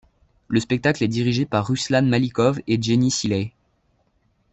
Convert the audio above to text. Le spectacle est dirigé par Ruslan Malikov et Jenny Sealey.